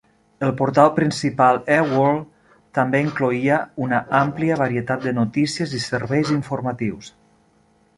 El portal principal eWorld també incloïa una àmplia varietat de notícies i serveis informatius.